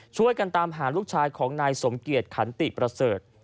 ช่วยกันตามหาลูกชายของนายสมเกียจขันติประเสริฐ